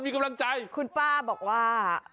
ครูป้าบอกว่า